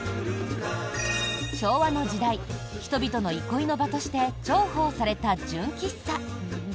昭和の時代人々の憩いの場として重宝された純喫茶。